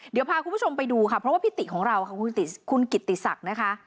เดี๋ยวพาคุณผู้ชมไปดูค่ะเพราะว่าพิติของเราค่ะคุณกิตติศักดิ์นะคะ